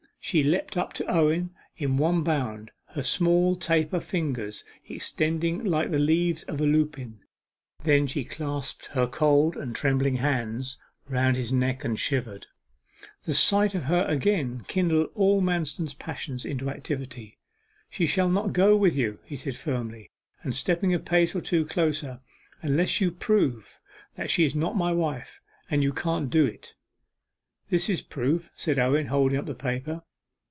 She leapt up to Owen in one bound, her small taper fingers extended like the leaves of a lupine. Then she clasped her cold and trembling hands round his neck and shivered. The sight of her again kindled all Manston's passions into activity. 'She shall not go with you,' he said firmly, and stepping a pace or two closer, 'unless you prove that she is not my wife; and you can't do it!' 'This is proof,' said Owen, holding up the paper.